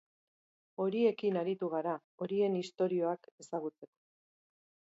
Horiekin aritu gara, horien istorioak ezagutzeko.